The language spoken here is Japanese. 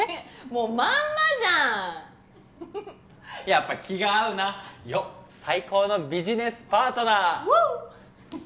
もうまんまじゃんやっぱ気が合うないよっ最高のビジネスパートナーワオ！